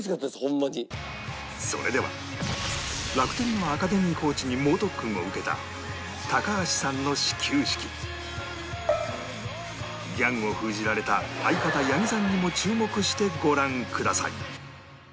それでは楽天のアカデミーコーチに猛特訓を受けた高橋さんの始球式ギャグを封じられた相方八木さんにも注目してご覧ください